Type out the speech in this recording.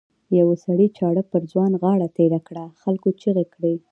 یوه سړي چاړه پر ځوان غاړه تېره کړه خلکو چیغې کړې.